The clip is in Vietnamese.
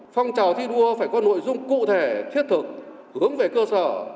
phong trào thi đua phải có nội dung cụ thể thiết thực hướng về cơ sở